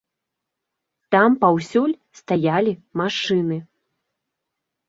Там паўсюль стаялі машыны.